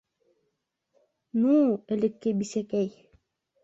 Ну, элекке бисәкәй.